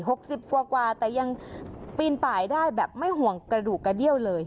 สิบกว่ากว่าแต่ยังปีนป่ายได้แบบไม่ห่วงกระดูกกระเดี้ยวเลย